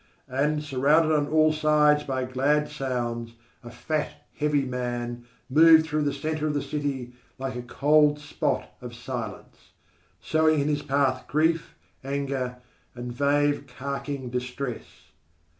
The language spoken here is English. And surrounded on all sides by glad sounds, a fat, heavy man moved through the centre of the city like a cold spot of silence, sowing in his path grief, anger and vague, carking distress.